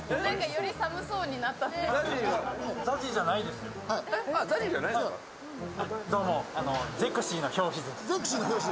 より寒そうになった気がする。